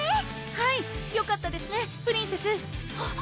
はいよかったですねプリンセスハッ！